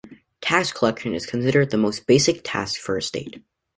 Tax collection is considered the most basic task for a state.